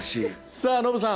さあノブさん